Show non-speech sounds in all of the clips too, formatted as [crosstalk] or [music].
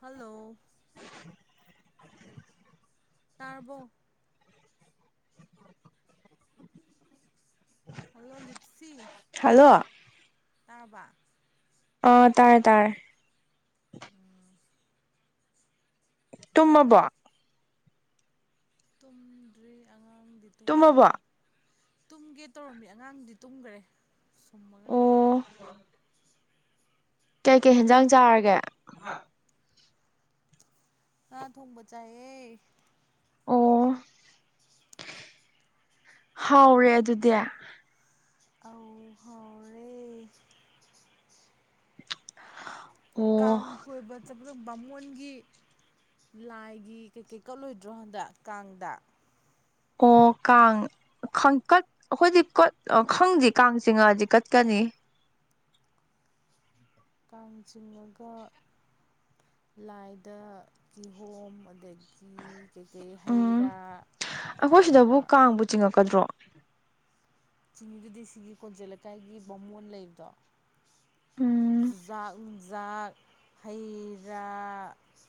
hello ꯇꯥꯔꯔꯕꯣ hello ꯂꯤꯞꯁꯤ hello ꯇꯥꯔꯕ ꯑ ꯇꯔꯦ ꯇꯔꯦ ꯇꯨꯝꯃꯕꯣ ꯇꯨꯝꯗ꯭ꯔꯤ ꯑꯉꯥꯡꯗꯤ ꯇꯨꯝꯃꯕꯣ ꯇꯨꯝꯈ꯭ꯔꯦ ꯇꯨꯝꯒꯦ ꯇꯧꯔꯝꯃꯤ ꯑꯉꯥꯡꯗꯤ ꯇꯨꯝꯈꯔꯦ ꯁꯨꯝꯃꯒ ꯀꯩ ꯀꯩ ꯍꯦꯟꯖꯥꯡ ꯆꯥꯔꯒꯦ ꯉꯥ ꯊꯣꯡꯕ ꯆꯥꯏꯑꯦ ꯑꯣ ꯍꯥꯎꯔꯦ ꯑꯗꯨꯗꯤ ꯑꯩ ꯍꯥꯎꯔꯦ [unintelligible] ꯀꯥꯡ ꯀꯣꯏꯕ ꯆꯠꯄꯗ‌ꯣ ꯕꯥ ꯃꯣꯟ ꯒꯤ ꯂꯥꯏꯒꯤ ꯀꯩꯀꯩ ꯀꯠꯂꯣꯏꯗ꯭ꯔꯣ ꯍꯟꯗꯛ ꯀꯥꯡꯗ ꯑꯣ ꯀꯥꯡ ꯈꯪ ꯀꯠ ꯑꯩꯈꯣꯏꯗꯤ ꯀꯠ ꯈꯪꯗꯦ ꯀꯥꯡ ꯆꯤꯡ ꯉꯛꯑꯗꯤ ꯀꯠꯀꯅꯤ ꯀꯥꯡ ꯆꯤꯡ ꯉꯒ ꯂꯥꯏꯗ ꯀꯤꯍꯣꯝ ꯑꯗꯒꯤ ꯀꯤ ꯀꯩꯀꯩ ꯍꯩ ꯎꯝ ꯔꯥ ꯑꯩꯈꯣꯏ ꯁꯤꯗꯕꯨ ꯀꯩꯀꯥ ꯀꯥꯡꯕꯨ ꯆꯤꯡꯉꯛꯀꯗ꯭ꯔꯣ ꯆꯤꯡꯕꯨꯗꯤ ꯁꯤꯒꯤ ꯀꯣꯟꯖꯦꯜ ꯂꯩꯀꯥꯏꯒꯤ ꯕꯥꯃꯣꯟ ꯂꯩꯕꯗꯣ ꯎꯝ ꯆꯨꯖꯥꯛ ꯎ ꯖꯥꯛ ꯍꯩꯔꯥ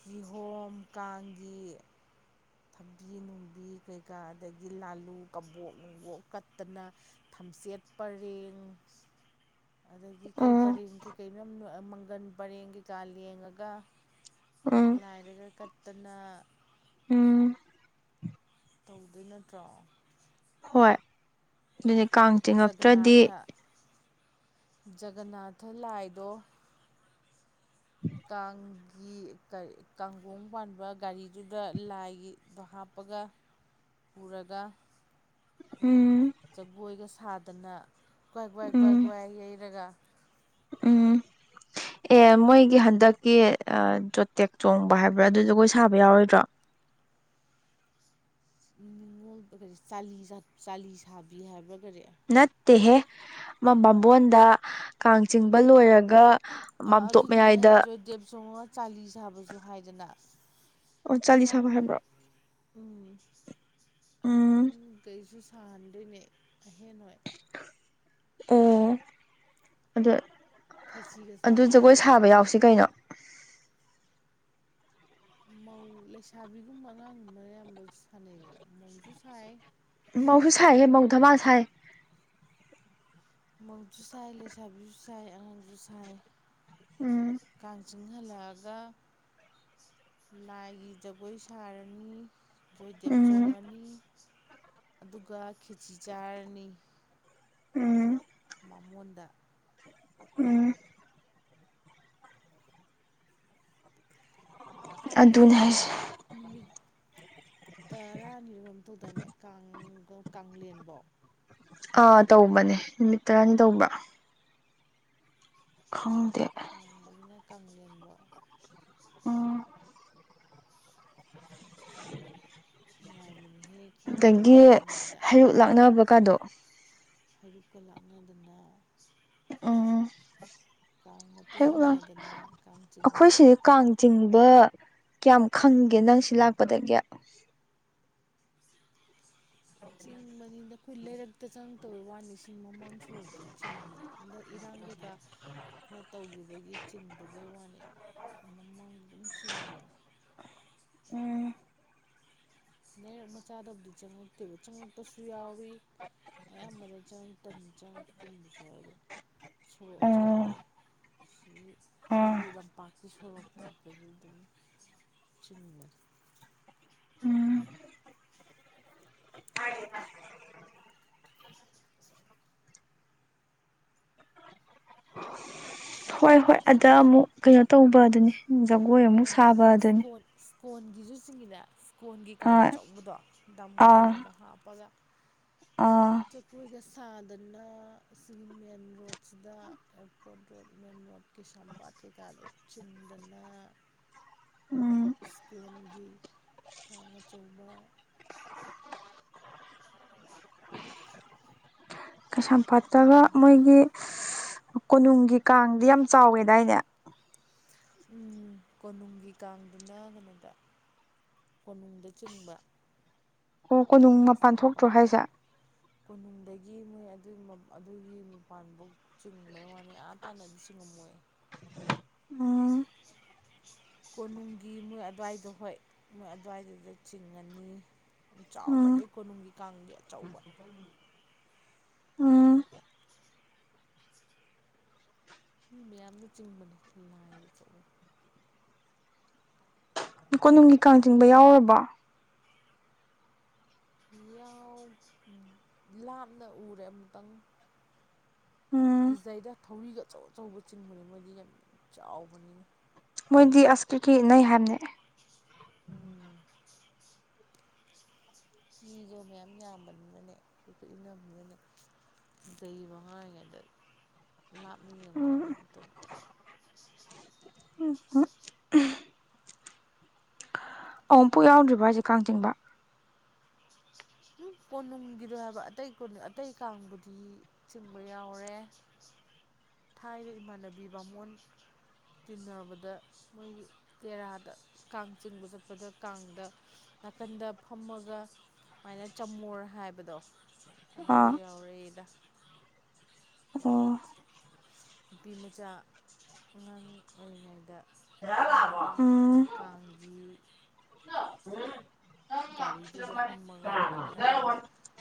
ꯀꯤꯍꯣꯝ ꯀꯥꯡꯒꯤ ꯊꯕꯤ ꯅꯨꯡꯕꯤ ꯀꯩꯀꯥ ꯑꯗꯒꯤ ꯂꯥꯂꯨ ꯀꯕꯣꯛ ꯅꯨꯡꯕꯣꯛ ꯀꯠꯇꯅ ꯊꯝꯆꯦꯠ ꯄꯔꯦꯡ [unintelligible] [inaudible] ꯑꯗꯒꯤ ꯀꯩ ꯑꯣ ꯄꯔꯦꯡ ꯀꯩꯀꯩꯅꯣ ꯃꯪꯒꯟ ꯄꯔꯦꯡ ꯀꯩꯀꯥ ꯂꯦꯡꯉꯒ ꯎꯝ ꯂꯥꯏꯔꯒ ꯀꯠꯇꯅ ꯎꯝ ꯇꯧꯗꯣꯏ ꯅꯠꯇ꯭ꯔꯣ ꯍꯣꯏ ꯑꯗꯨꯗꯤ ꯀꯥꯡ ꯇꯤꯡꯉꯛꯇ꯭ꯔꯗꯤ ꯖꯒꯅꯥꯊ ꯖꯒꯅꯥꯊ ꯂꯥꯏꯗꯣ ꯀꯥꯡꯒꯤ ꯀꯥꯡꯒꯣꯡ ꯄꯥꯟꯕ ꯒꯥꯔꯤꯗꯨꯗ ꯂꯥꯏꯒꯤꯗꯣ ꯍꯥꯞꯄ ꯄꯒ ꯄꯨꯔꯒ ꯎꯝ ꯖꯒꯣꯏꯒ ꯁꯥꯗꯅ ꯀ꯭ꯋꯥꯏ ꯀ꯭ꯋꯥꯏ ꯀ꯭ꯋꯥꯏ ꯎꯝ ꯀ꯭ꯋꯥꯏ ꯌꯩꯔꯒ ꯎꯝ ꯑꯦ ꯃꯣꯏꯒꯤ ꯍꯟꯗꯛꯀꯤ ꯖꯣꯇꯦꯛ ꯆꯣꯡꯕ ꯍꯥꯏꯕ꯭ꯔꯥ ꯑꯗꯨ ꯖꯒꯣꯏ ꯁꯥꯕ ꯌꯥꯎꯔꯣꯏꯗ꯭ꯔꯣ [unintelligible] [inaudible] ꯉꯣꯜ ꯆ ꯆꯥꯂꯤ ꯁꯥꯕꯤ ꯍꯥꯏꯕ꯭ꯔꯥ ꯀꯔꯤ ꯇꯦꯍꯦ ꯑꯃ ꯕꯥꯝꯕꯣꯟꯗ ꯀꯥꯡ ꯆꯤꯡꯕ ꯂꯣꯏꯔꯒ ꯑꯥ ꯃꯥꯝꯇꯣꯞ ꯑꯗꯨꯗꯨꯅꯦ ꯍꯥꯏꯔꯦ ꯃꯌꯥꯏꯗ ꯖꯣꯏ ꯗꯦꯕ ꯆꯣꯡꯉ ꯆꯥꯂꯤ ꯁꯥꯕꯁꯨ ꯍꯥꯏꯗꯅ ꯑꯣ ꯆꯥꯂꯤ ꯑꯉꯥꯡ ꯁꯥꯕ ꯍꯥꯏꯕ꯭ꯔꯣ ꯎꯝ ꯑꯉꯥꯡ ꯎꯝ ꯒꯩꯖꯨ ꯁꯥꯍꯟꯗꯣꯏꯅꯦ ꯑꯕꯦꯝꯃꯥ ꯍꯣꯏ ꯑꯣ ꯑ ꯈꯦꯆꯤꯒ ꯑꯗꯨ ꯆꯥꯕꯗꯣ ꯖꯒꯣꯏ ꯑꯗꯨꯒ ꯁꯥꯕ ꯌꯥꯎꯁꯤ ꯀꯩꯅꯣ ꯃꯧ ꯂꯩꯁꯥꯕꯤꯒꯨꯝꯕ ꯑꯉꯥꯡꯒꯨꯝꯕꯅ ꯑꯌꯥꯝꯕ ꯁꯥꯟꯅꯩꯗꯅ ꯃꯧꯁꯨ ꯁꯥꯏ ꯃꯧꯁꯨ ꯁꯥꯏ ꯃꯧ ꯙꯥꯃꯥ ꯁꯥꯏ ꯃꯧꯖꯨ ꯁꯥꯏ ꯂꯩꯁꯥꯕꯤꯖꯨ ꯁꯥꯏ ꯑꯉꯥꯡꯖꯨ ꯁꯥꯏ ꯎꯝ ꯑꯉꯥꯡ ꯁꯨ ꯁꯥꯏ ꯍꯜꯂꯛꯑꯒ ꯂꯥꯏꯒꯤ ꯖꯒꯣꯏ ꯁꯥꯔꯅꯤ ꯖꯣꯏꯗꯦꯕ ꯎꯝ ꯆꯣꯡꯉꯅꯤ ꯑꯗꯨꯒ ꯈꯦꯆꯤ ꯆꯥꯔꯅꯤ ꯎꯝ ꯕꯥꯃꯣꯟꯗ ꯎꯝ ꯑꯗꯨꯅꯦ ꯀꯥꯟꯁꯤ ꯍꯥꯏꯁꯦ ꯅꯨꯃꯤꯠ ꯇꯔꯥꯅꯤꯔꯝꯗꯨꯗꯅꯦ ꯀꯦꯟꯕꯣ ꯑꯥ ꯇꯧꯕꯅꯦ ꯅꯨꯃꯤꯠ ꯇꯔꯥꯅꯤ ꯇꯧꯕ ꯈꯪꯗꯦ ꯑꯗꯒꯤꯅ ꯀꯪꯂꯦꯟꯕꯥꯎ ꯎꯝ [inaudible] ꯅꯨꯡꯉꯥꯏꯕꯅꯤ ꯑꯗꯒꯤ ꯍꯩꯔꯨꯛ ꯂꯥꯛꯅꯕꯀꯥꯗꯣ ꯍꯩꯔꯨꯛꯀ ꯂꯥꯛꯅꯗꯅ ꯎꯝ ꯀꯥꯡ ꯃꯇꯨꯡ ꯍꯩꯔꯨꯛ ꯂꯥꯛ ꯏꯟꯅꯗꯅ ꯀꯥꯡ ꯑꯩꯈꯣꯏ ꯆꯤꯡꯕ ꯁꯤꯗ ꯀꯥꯡ ꯆꯤꯡꯕ ꯀꯌꯥꯝ ꯈꯪꯒꯦ ꯅꯪ ꯁꯤ ꯂꯥꯛꯄꯗꯒꯤ ꯆꯤꯡ ꯃꯅꯤꯡꯗ ꯈꯨꯜ ꯂꯩꯔꯛꯇ ꯆꯪꯗꯧꯋꯥꯅꯤ ꯃꯃꯥꯡ ꯁꯣꯔꯣꯛꯇꯨ ꯆꯤꯡꯕꯅꯤ ꯍꯟꯗꯛ ꯏꯔꯥꯡꯒ ꯈ ꯈꯔ ꯇꯧꯒꯤꯕꯒꯤ ꯆꯤꯡꯗꯕꯩ ꯋꯥꯅꯤ ꯃꯃꯥꯡ ꯑꯗꯨꯝ ꯆꯤꯡꯕꯅꯤ ꯎꯝ ꯅꯩꯔꯛ ꯃꯆꯥꯗꯕꯨꯗꯤ ꯆꯪꯉꯛꯇꯦꯕ ꯆꯪꯉꯛꯄꯁꯨ ꯌꯥꯎꯏ ꯑꯌꯥꯝꯕꯅ ꯆꯪꯉꯛꯇꯝ ꯆꯪꯉꯛꯀꯨꯝꯕꯁꯨ ꯌꯥꯎꯏ ꯁꯣꯔꯣꯛ ꯑꯆꯧꯕꯗꯣ ꯑꯣ ꯁꯨꯝ ꯑꯣ ꯁꯤꯒꯤ ꯂꯝꯄꯥꯛꯀꯤ ꯁꯣꯔꯣꯛꯇꯒꯤ [unintelligible] ꯑꯗꯨꯝ ꯆꯨꯝꯃꯦ ꯎꯝ ꯍꯣꯏ ꯍꯣꯏ ꯑꯗ ꯑꯃꯨꯛ ꯀꯩꯅꯣ ꯇꯧꯕ ꯑꯗꯨꯅꯤ ꯖꯒꯣꯏ ꯑꯃꯨꯛ ꯁꯥꯕ ꯑꯗꯨꯅꯤ ꯀꯣꯟꯒꯤꯁꯨ ꯆꯤꯡꯉꯤꯗ ꯀꯣꯟꯒꯤ ꯀꯥꯡ ꯑꯥ ꯑꯆꯧꯕꯗꯣ ꯑꯥ ꯗꯃꯣꯗꯣꯔꯗꯣ ꯍꯥꯞꯄꯒ ꯑꯥ ꯆꯄꯨꯏꯒꯁ ꯊꯥꯗꯅ ꯁꯤꯒꯤ ꯃꯦꯟ ꯔꯣꯗꯁꯤꯗ ꯑꯦꯌꯥꯔꯄꯣꯔꯠ ꯔꯣꯗ ꯃꯦꯟ ꯔꯣꯗ ꯀꯩꯁꯝꯄꯥꯠ ꯀꯩ ꯀꯥꯗꯨ ꯆꯨꯝꯗꯅ ꯎꯝ ꯁ꯭ꯀꯣꯟꯒꯤ ꯀꯥꯡ ꯑꯆꯧꯕ ꯀꯩꯁꯥꯝꯄꯥꯠꯇꯒ ꯃꯣꯏꯒꯤ ꯀꯣꯅꯨꯡꯒꯤ ꯀꯥꯡꯗꯤ ꯌꯥꯝ ꯆꯥꯎꯋꯦꯗꯥꯏꯅꯦ ꯎꯝ ꯀꯣꯅꯨꯡꯒꯤ ꯀꯥꯡꯗꯨꯅ ꯀꯩꯅꯣꯗ ꯀꯣꯅꯨꯡꯗ ꯆꯤꯡꯕ ꯑꯣ ꯀꯣꯅꯨꯡ ꯃꯦꯔꯦꯖ ꯃꯄꯥꯟ ꯊꯣꯛꯇ꯭ꯔꯣ ꯍꯥꯏꯁꯦ ꯌꯦꯡꯉꯨꯏ ꯑꯗꯨꯒꯤ ꯑꯗꯨꯒꯤ ꯃꯄꯥꯟꯕꯥꯎ ꯆꯤꯡꯕꯩ ꯋꯥꯅꯤ ꯑꯥ ꯇꯥꯅꯗꯤ ꯆꯤꯡꯉꯝꯃꯣꯏ [inaudible] ꯎꯝ ꯀꯣꯅꯨꯡꯒꯤ ꯃꯣꯏ ꯑꯗꯨꯋꯥꯏꯗꯣ ꯍꯣꯏ ꯃꯣꯏ ꯑꯗꯨꯋꯥꯏꯗꯨꯗ ꯆꯤꯡꯉꯅꯤ ꯆꯥꯎꯕꯅꯦ ꯎꯝ ꯀꯣꯅꯨꯡꯒꯤ ꯀꯥꯡꯗꯤ ꯑꯆꯧꯕ ꯎꯝ ꯃꯤ ꯃꯌꯥꯝꯅ ꯆꯤꯡꯕꯅꯤ ꯂꯥꯏꯒ ꯊꯣꯛꯑꯥꯒ ꯀꯣꯅꯨꯡꯒꯤ ꯀꯥꯡ ꯆꯤꯡꯕ ꯌꯥꯎꯔꯨꯔꯕꯣ ꯌꯥꯎ ꯂꯥꯞꯅ ꯎꯔꯦ ꯑꯃꯨꯛꯇꯪ ꯎꯝ ꯀꯤꯖꯩꯗ ꯊꯧꯔꯤꯒ ꯑꯆꯧ ꯑꯆꯧꯕ ꯆꯤꯡꯕꯅꯦ ꯃꯣꯏꯗꯤ ꯌꯥꯝ ꯆꯥꯎꯕꯅꯤꯅ ꯃꯣꯏꯗꯤ ꯑꯁ ꯀꯤꯀꯤ ꯏꯟꯅꯩ ꯍꯥꯏꯕꯅꯦ ꯎꯝ ꯃꯤꯒ ꯃꯌꯥꯝ ꯌꯥꯝꯕꯅꯤꯅꯅꯦ ꯀꯤꯀꯤ ꯏꯅꯕꯅꯅꯦ [unintelligible] ꯗꯩꯕ ꯑꯉꯥꯡ ꯑꯣꯏꯔꯤꯉꯩꯗ [unintelligible] ꯂꯥꯞꯅ ꯌꯦꯡꯕ ꯎꯝ ꯅꯠꯇꯗꯤ ꯍꯨꯪꯪ [unintelligible] ꯑꯣꯝ ꯄꯨꯨ ꯌꯥꯎꯗ꯭ꯔꯤꯕ ꯍꯥꯏꯁꯦ ꯀꯥꯡ ꯆꯤꯡꯕ ꯎꯝ [inaudible] ꯀꯣꯅꯨꯡꯒꯤꯗꯣ ꯍꯥꯏꯕ ꯑꯇꯩ ꯀꯨꯟ ꯑꯇꯩ ꯀꯥꯡꯕꯨꯗꯤ ꯆꯤꯡꯕ ꯌꯥꯎꯔꯦ ꯊꯥꯏꯅ ꯏꯃꯥꯟꯅꯕꯤ ꯕꯥꯃꯣꯟ ꯇꯤꯟꯅꯕꯗ ꯃꯣꯏꯒꯤ ꯇꯦꯔꯥꯗ ꯀꯥꯡ ꯆꯤꯡꯕ ꯆꯠꯄꯗ ꯀꯥꯡꯗ ꯅꯥꯀꯟꯗ ꯐꯝꯃꯒ ꯁꯨꯃꯥꯏꯅ ꯆꯝꯃꯨꯔ ꯍꯥꯏꯕꯗꯣ ꯑꯗꯨꯒ ꯑꯥ ꯌꯥꯎꯔꯛꯏꯦꯗ ꯑꯣ ꯅꯨꯄꯤꯃꯆꯥ ꯑꯉꯥꯡ ꯑꯣꯏꯔꯤꯉꯩꯗ ꯐꯝꯃꯒ ꯀꯥꯒꯤ ꯎꯝ ꯒꯥꯔꯤꯗꯨꯗ ꯐꯝꯃꯒ ꯅꯥꯀꯟ ꯅꯥꯀꯟꯗ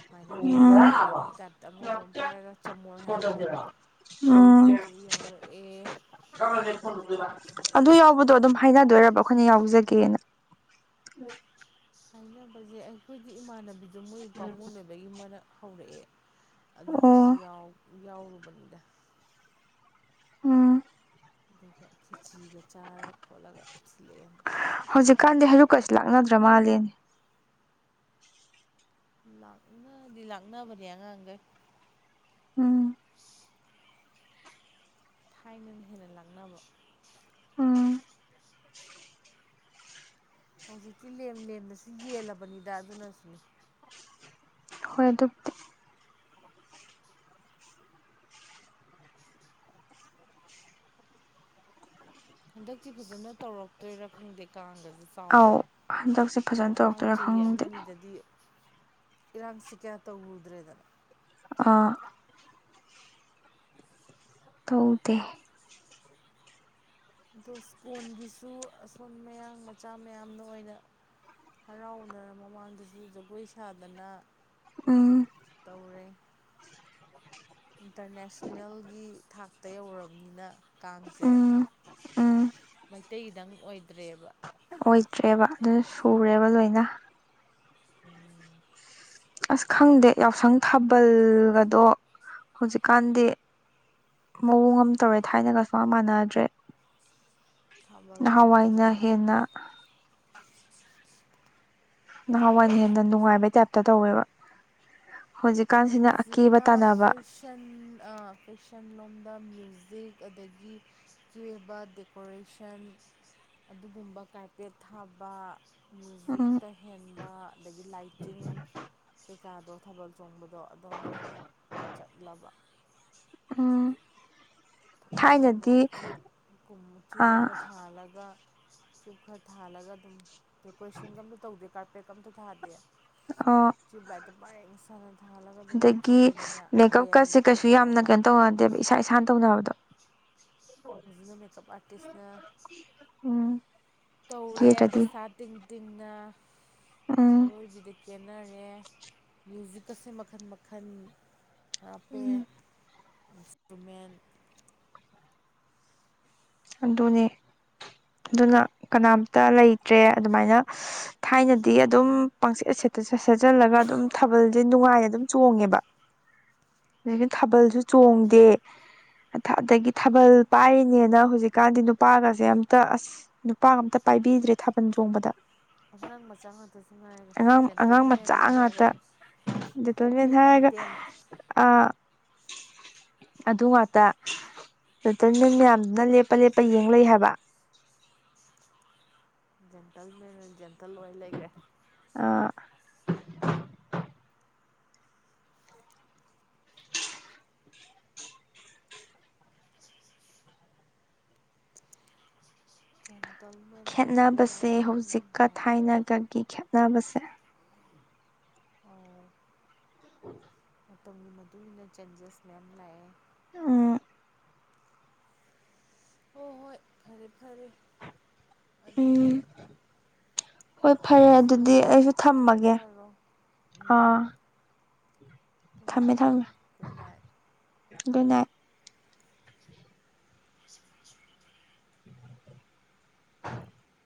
ꯁꯨꯃꯥꯏꯅ ꯎꯝ ꯃꯥꯥꯏꯒꯤ ꯖꯥꯇ ꯑꯉꯧꯕ ꯑꯃ ꯄꯥꯏꯔꯒ ꯆꯃꯣꯔ ꯍꯥꯏꯕ ꯍꯥꯏꯕꯗꯣ ꯎꯝ ꯑꯗꯨ ꯌꯥꯎꯔꯛꯑꯦ ꯑꯗꯨ ꯌꯥꯎꯕꯗꯣ ꯑꯗꯨꯝ ꯍꯥꯏꯅꯗꯣꯏꯔꯕ ꯑꯩꯈꯣꯏꯅ ꯌꯥꯎꯖꯒꯦꯅ ꯍꯥꯏꯅꯕꯁꯦ ꯑꯩꯈꯣꯏꯒꯤ ꯏꯃꯥꯟꯅꯕꯤꯗꯣ ꯃꯣꯏ ꯄꯥꯃꯨꯡꯕꯗꯒꯤ ꯃꯅ ꯍꯧꯔꯛꯑꯦ ꯑꯗꯨꯗꯨꯁꯨ ꯑꯣ ꯌꯥꯎꯔꯨꯕꯅꯤꯗ ꯎꯝ ꯑꯗꯨꯒ ꯈꯦꯆꯤꯒ ꯆꯥꯔ ꯈꯣꯠꯂꯒ ꯊꯤꯜꯂꯛꯑꯦ ꯌꯨꯝꯗ ꯍꯧꯖꯤꯛꯀꯥꯟꯗꯤ ꯍꯌꯛꯀꯁꯤ ꯂꯥꯛꯅꯗ꯭ꯔ ꯃꯥꯜꯂꯦꯅꯦ ꯂꯥꯛꯅꯗꯤ ꯂꯥꯛꯅꯕꯅꯤ ꯌꯥꯉ ꯑꯒ ꯎꯝ ꯇꯥꯏꯃꯦꯟ ꯍ ꯂꯪꯅꯅꯕꯣ ꯎꯝ ꯍꯧꯖꯤꯛꯇꯤ ꯂꯦꯝ ꯂꯦꯝꯅꯁꯨ ꯌꯦꯜꯂꯕꯅꯤꯗ ꯑꯗꯨꯅꯁꯨꯅꯦ ꯍꯣꯏ ꯑꯗꯨ ꯍꯟꯗꯛꯇꯤ ꯐꯖꯅ ꯇꯧꯔꯛꯇꯣꯏꯔꯥ ꯈꯪꯗꯦ ꯀꯥꯡꯒꯅꯤ ꯑꯧ ꯍꯟꯗꯛꯁꯦ ꯐꯖꯅ ꯇꯧꯔꯛꯇꯣꯏꯔꯥ ꯈꯪꯗꯦ ꯏꯔꯥꯡꯁꯤ ꯀꯌꯥ ꯇꯧꯔꯨꯗ꯭ꯔꯦꯗꯅ ꯑꯥ ꯇꯧꯗ ꯑꯗꯨ ꯏꯁ꯭ꯀꯣꯟꯒꯤꯁꯨ ꯑꯁꯣꯟ ꯃꯌꯥꯡ ꯃꯆꯥ ꯃꯌꯥꯝꯅ ꯑꯣꯏꯅ ꯍꯔꯥꯎꯅ ꯃꯃꯥꯡꯗꯁꯨ ꯖꯒꯣꯏ ꯁꯥꯗꯅ ꯎꯝ ꯇꯧꯔꯦ ꯏꯟꯇꯔꯅꯦꯁꯅꯦꯜꯒꯤ ꯊꯥꯛꯇ ꯌꯧꯔꯕꯅꯤꯅ ꯀꯥꯡꯁꯦ ꯎꯝ ꯎꯝ ꯃꯩꯇꯩꯒꯤꯗꯪ ꯑꯣꯏꯗ꯭ꯔꯦꯕ ꯑꯣꯏꯗ꯭ꯔꯦꯕ ꯑꯗꯨꯅ ꯁꯨꯔꯦꯕ ꯂꯣꯏꯅ ꯎꯝ ꯑꯁ ꯈꯪꯗꯦ ꯌꯥꯎꯁꯪ ꯊꯥꯕꯜꯒꯗꯣ ꯍꯧꯖꯤꯛꯀꯥꯟꯗꯤ ꯃꯑꯣꯡ ꯑꯃ ꯇꯧꯔꯦ ꯊꯥꯏꯅꯒꯁꯨꯃ ꯃꯥꯟꯅꯗ꯭ꯔꯦ ꯊꯥꯕꯜ ꯅꯍꯥꯟꯋꯥꯏꯅ ꯆꯣꯡꯕ ꯍꯦꯟꯅ ꯅꯍꯥꯟꯋꯥꯏ ꯍꯦꯟꯅ ꯅꯨꯡꯉꯥꯏꯕꯩ ꯇꯥꯏꯞꯇ ꯇꯧꯋꯦꯕ ꯍꯧꯖꯤꯛꯀꯥꯟꯁꯤꯅ ꯑꯀꯦꯕ ꯍꯧꯖꯤꯛꯅ ꯇꯥꯟꯅꯕ ꯐꯦꯁꯟ ꯐꯦꯁꯟ ꯂꯣꯝ ꯗ ꯃ꯭ꯌꯨꯖꯤꯛ ꯑꯗꯒꯤ ꯆꯦꯕ ꯗꯦꯀꯣꯔꯦꯁꯟ ꯑꯗꯨꯒꯨꯝꯕ ꯀꯥꯏꯄꯦꯠ ꯊꯥꯕ ꯎꯝ ꯃ꯭ꯌꯨꯖꯤꯛꯇ ꯍꯦꯟꯕ ꯑꯗꯒꯤ ꯂꯥꯏꯇꯤꯡ ꯀꯩꯀꯥꯗꯣ ꯊꯥꯕꯜ ꯆꯣꯡꯕꯗ ꯑꯗꯣ ꯑꯗꯣꯝꯗ ꯑꯣꯏꯅ ꯆꯠꯂꯕ ꯑ ꯊꯥꯏꯅꯅ ꯆꯌꯨꯞ ꯀꯨꯝ ꯆꯨꯞ ꯑꯥ ꯑꯃ ꯊꯥꯜꯂꯒ ꯁꯞ ꯈꯔ ꯊꯥꯜꯂꯒ ꯑꯗꯨꯝ ꯗꯦꯀꯣꯔꯦꯁꯟꯒ ꯑꯝꯇ ꯇꯧꯗꯦ ꯀꯥꯔꯄꯦꯠꯀ ꯑꯝꯇ ꯊꯥꯗꯦ ꯑꯣ ꯕꯥ ꯏꯟꯁꯥꯟ ꯑꯗꯒꯤ ꯃꯦꯀꯞ ꯀꯠꯁꯦ ꯈꯔ ꯀꯩꯁꯨ ꯌꯥꯝꯅ ꯇꯧꯔꯒ ꯀꯩꯅꯣ ꯇꯧꯅꯗꯦꯕ ꯏꯁꯥ ꯏꯁꯥꯅ ꯇꯧꯅꯕꯗꯣ ꯍꯧꯖꯤꯅ ꯃꯦꯀꯞ ꯑꯥꯇꯤꯁꯅ ꯎꯝ ꯇꯧꯔꯦ ꯀꯦꯗ꯭ꯔꯗꯤ ꯄꯩꯁꯥ ꯇꯤꯡ ꯇꯤꯡꯅ ꯎꯝ ꯑꯔꯣꯏꯕꯤꯗꯗꯒꯤ ꯈꯦꯟꯅꯔꯦ ꯃ꯭ꯌꯨꯖꯤꯛꯀꯁꯦ ꯃꯈꯟ ꯃꯈꯟ ꯍꯥꯄꯦ ꯏꯟꯁꯇ꯭ꯔꯨꯃꯦꯟ ꯑꯗꯨꯅꯦ ꯑꯗꯨꯅ ꯀꯅꯥꯝꯇ ꯂꯩꯇ꯭ꯔꯦ ꯑꯗꯨꯃꯥꯏꯅ ꯊꯥꯏꯅꯗꯤ ꯑꯗꯨꯝ ꯄꯪꯆꯠ ꯑꯁꯦ ꯁꯠꯆꯜꯂꯒ ꯑꯗꯨꯝ ꯊꯥꯕꯜꯁꯦ ꯅꯨꯡꯉꯥꯏꯅ ꯑꯗꯨꯝ ꯆꯣꯡꯉꯦꯕ ꯑꯩꯅ ꯊꯥꯕꯜꯁꯨ ꯆꯣꯡꯗꯦ ꯑꯗꯒꯤ ꯊꯥꯕꯜ ꯄꯥꯏꯔꯤꯅꯦꯅ ꯍꯧꯖꯤꯛ ꯍꯧꯖꯤ ꯀꯥꯟꯗꯤ ꯅꯨꯄꯥꯒꯁꯦ ꯑꯝꯇ ꯑꯁ ꯅꯨꯄꯥꯒ ꯑꯝꯇ ꯄꯥꯏꯕꯤꯗ꯭ꯔꯦ ꯊꯥꯕꯜ ꯆꯣꯡꯕꯗ ꯑꯉꯥꯡ ꯃꯆꯥ ꯉꯥꯛꯇ ꯁ ꯍꯥꯏꯔꯒ ꯑꯉꯥꯡ ꯑꯉꯥꯡ ꯖꯦꯟꯇꯜꯃꯦꯟ ꯃꯆꯥ ꯍꯥꯏꯔꯒ ꯉꯥꯛꯇ ꯀ꯭ꯂꯥꯁ ꯑꯩꯠ ꯅꯥꯏꯟ ꯇꯦꯟ ꯑꯦꯦꯝ ꯑ ꯑꯗꯨ ꯉꯥꯛꯇ ꯔꯇ ꯌꯥꯝꯅ ꯂꯦꯞ ꯂꯄ ꯂꯦꯞꯄ ꯌꯦꯡꯂꯩ ꯍꯥꯏꯕ ꯖꯦꯟꯇꯜ ꯖꯦꯟꯇꯜ ꯂꯣꯏ ꯂꯩꯈ꯭ꯔꯦ ꯖꯦꯟꯇꯜꯃꯦꯟ ꯄꯥꯏꯕꯤꯕ ꯈꯦꯅꯕꯁꯦ ꯌꯥꯔꯅꯤ ꯍꯧꯖꯤꯛꯀ ꯍꯥꯏꯔꯛꯑꯦ ꯊꯥꯏꯅꯒꯒꯤ ꯈꯦꯠꯅꯕꯁꯦ ꯑꯣ ꯎꯝ ꯃꯇꯝꯒꯤ ꯃꯇꯨꯡ ꯏꯟꯅ ꯆꯦꯟꯖꯦꯁ ꯃꯌꯥꯝ ꯂꯥꯛꯑꯦ ꯑ ꯍꯣꯏ ꯍꯣꯏ ꯐꯔꯦ ꯐꯔꯦ ꯎꯝ ꯑꯗꯨꯗꯤ ꯍꯣꯏ ꯐꯔꯦ ꯅꯪꯁꯨ ꯑꯗꯨꯗꯤ ꯑꯩꯁꯨ ꯊꯝꯃꯒꯦ ꯇꯨꯝꯖꯔꯣ ꯑꯥ ꯇꯃ ꯊꯝꯃꯦ ꯇꯨꯝꯃ ꯇꯗꯥꯏ ꯑꯗꯨꯅ ꯑ [inaudible]